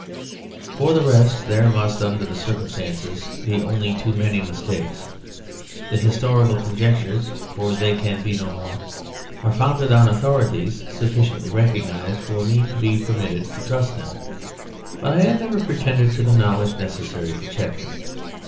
For the rest, there must under the circumstances be only too many mistakes; the historical conjectures, for they can be no more, are founded on authorities sufficiently recognised for me to be permitted to trust them; but I have never pretended to the knowledge necessary to check them.